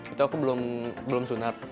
itu aku belum sunat